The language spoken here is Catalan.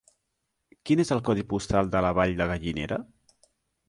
Quin és el codi postal de la Vall de Gallinera?